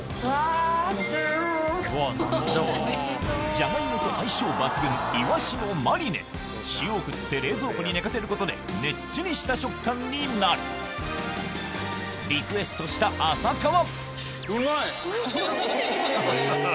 ジャガイモと相性抜群塩を振って冷蔵庫に寝かせることでねっちりした食感になるリクエストした浅香は？